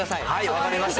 分かりました。